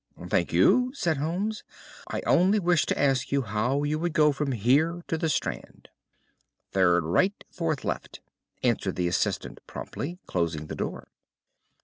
"Thank you," said Holmes, "I only wished to ask you how you would go from here to the Strand." "Third right, fourth left," answered the assistant promptly, closing the door.